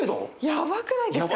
やばくないですか。